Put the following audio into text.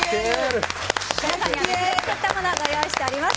皆さんには別で作ったものをご用意しております。